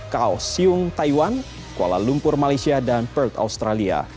kaossium taiwan kuala lumpur malaysia dan perth australia